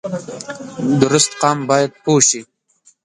درست قام باید پوه شي